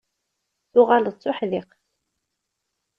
Tuɣaleḍ d tuḥdiqt.